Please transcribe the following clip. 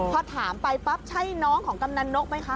พอถามไปปั๊บใช่น้องของกำนันนกไหมคะ